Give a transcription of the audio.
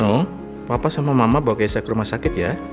nung papa sama mama bawa keisha ke rumah sakit ya